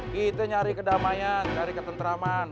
kita nyari kedamaian cari ketentraman